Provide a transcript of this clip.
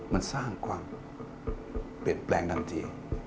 มันสร้างความเปลี่ยนแปลงทันที